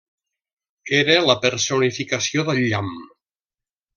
Era la personificació del llamp.